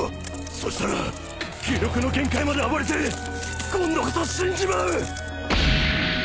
そしたら気力の限界まで暴れて今度こそ死んじまう！